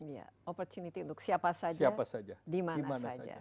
iya opportunity untuk siapa saja dimana saja